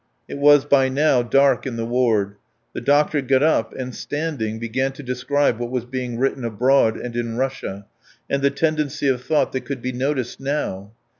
It was by now dark in the ward. The doctor got up, and, standing, began to describe what was being written abroad and in Russia, and the tendency of thought that could be noticed now.